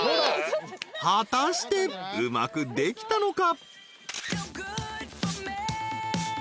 ［果たしてうまくできたのか？］